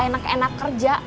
enggak ada kerja